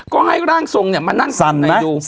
ก็ให้ร่างสงศ์เนี่ยมานั่งใส่ดู